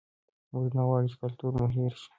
موږ نه غواړو چې کلتور مو هېر شي.